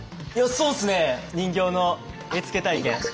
そうですね人形の絵付け体験。